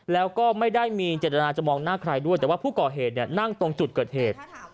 แล้วก็ไม่ได้มีเจตนาจะมองหน้าใครด้วยแต่ว่าผู้ก่อเหตุนั่งตรงจุดเกิดเหตุ